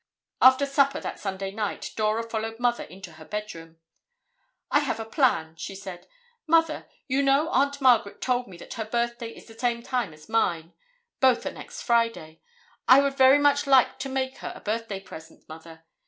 After supper that Sunday night, Dora followed Mother into her bedroom. "I have a plan," she said. "Mother, you know Aunt Margaret told me that her birthday is the same as mine. Both are next Friday. I would very much like to make her a birthday present, Mother.